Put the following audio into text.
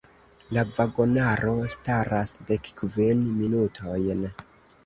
La vagonaro staras dekkvin minutojn!